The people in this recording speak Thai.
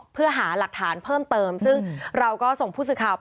เพื่อหาหลักฐานเพิ่มเติมซึ่งเราก็ส่งผู้สื่อข่าวไป